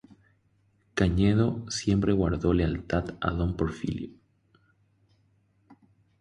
Cañedo siempre guardó lealtad a don Porfirio.